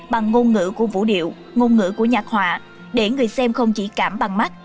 bằng ngôn ngữ của vũ điệu ngôn ngữ của nhạc họa để người xem không chỉ cảm bằng mắt